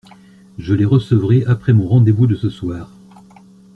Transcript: Je les recevrai après mon rendez-vous de ce soir.